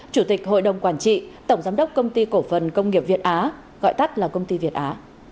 chủ tịch hội đồng quản trị tổng giám đốc công ty cổ phần công nghiệp việt á gọi tắt là công ty việt á